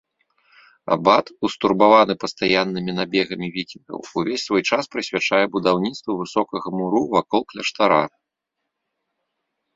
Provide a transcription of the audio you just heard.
Абат, устурбаваны пастаяннымі набегамі вікінгаў, увесь свой час прысвячае будаўніцтву высокага муру вакол кляштара.